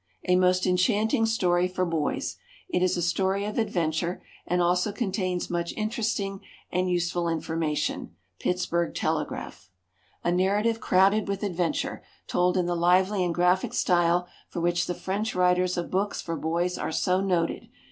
_ A most enchanting story for boys. It is a story of adventure, and also contains much interesting and useful information. Pittsburgh Telegraph. A narrative crowded with adventure, told in the lively and graphic style for which the French writers of books for boys are so noted.